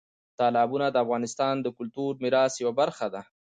تالابونه د افغانستان د کلتوري میراث یوه برخه ده.